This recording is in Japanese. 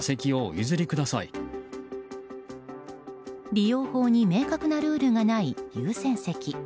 利用法に明確なルールがない優先席。